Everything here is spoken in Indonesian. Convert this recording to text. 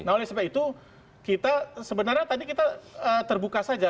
nah oleh sebab itu kita sebenarnya tadi kita terbuka saja